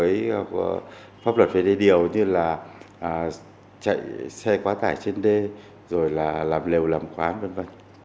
đã có những vụ vi phạm khác với pháp luật về đê điều như là chạy xe quá tải trên đê rồi là làm lều làm khoán v v